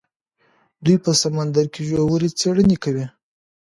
دوی په سمندر کې ژورې څیړنې کوي.